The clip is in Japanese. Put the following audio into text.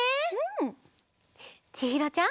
ちひろちゃん。